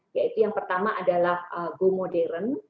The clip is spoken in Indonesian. yaitu yang pertama adalah go modern